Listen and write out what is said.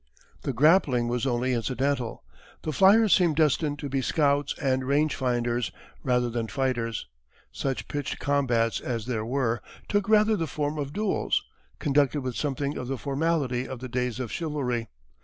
The grappling was only incidental. The flyers seemed destined to be scouts and rangefinders, rather than fighters. Such pitched combats as there were took rather the form of duels, conducted with something of the formality of the days of chivalry.